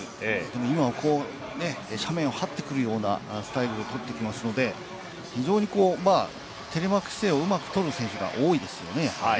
今は斜面を張ってくるようなスタイルを取ってきますので、非常にテレマーク姿勢をうまく取る選手が多いですね。